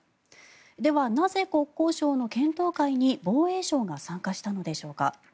では、なぜ国交省の検討会に防衛省が参加したのでしょうか。